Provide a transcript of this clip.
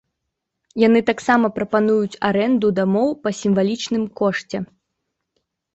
Яны таксама прапануюць арэнду дамоў па сімвалічным кошце.